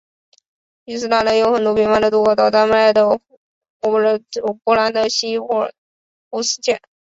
于斯塔德有很多频繁的渡口到丹麦的博恩霍尔姆和波兰的希维诺乌伊希切。